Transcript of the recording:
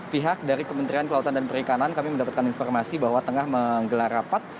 pihak dari kementerian kelautan dan perikanan kami mendapatkan informasi bahwa tengah menggelar rapat